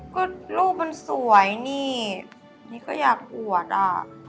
ก็รูปมันสวยนี่นี่ก็อยากอวดอ่ะ